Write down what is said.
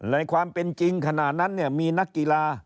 ในความเป็นจริงขณะนั้นเนี่ยมีนักกีฬา